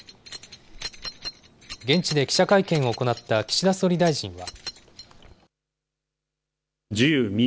現地で記者会見を行った岸田総理大臣は。